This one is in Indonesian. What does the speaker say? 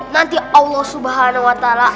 nanti allah subhanahu wa ta'ala